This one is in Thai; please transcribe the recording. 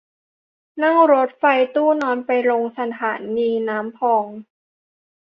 นั่งรถไฟตู้นอนไปลงสถานีน้ำพอง